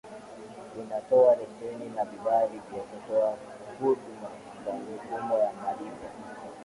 inatoa leseni na vibali vya kutoa huduma za mifumo ya malipo